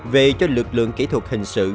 về cho lực lượng kỹ thuật hình sự